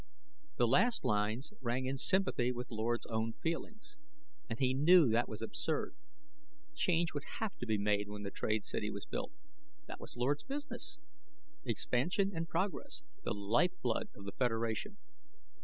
The last lines rang in sympathy with Lord's own feelings, and he knew that was absurd. Changes would have to be made when the trade city was built. That was Lord's business. Expansion and progress: the lifeblood of the Federation.